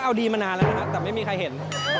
เอาดีมานานแล้วนะครับแต่ไม่มีใครเห็น